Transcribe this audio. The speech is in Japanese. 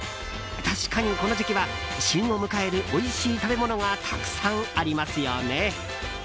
確かに、この時期は旬を迎えるおいしい食べ物がたくさんありますよね？